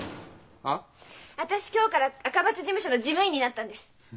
私今日から赤松事務所の事務員になったんです。